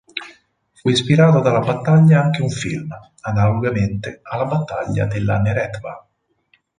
Fu ispirato dalla battaglia anche un film, analogamente alla Battaglia della Neretva.